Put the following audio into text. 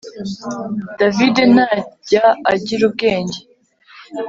David ntajya agira ubwenge